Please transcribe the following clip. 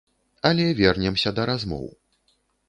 Але, вернемся да размоў.